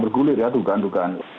bergulir ya dugaan dugaan jadi ini adalah